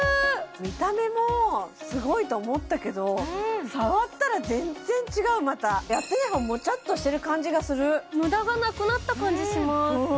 見た目もすごいと思ったけど触ったら全然違うまたやってない方もちゃっとしてる感じがする無駄がなくなった感じします